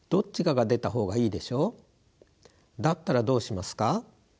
だったらどうしますか？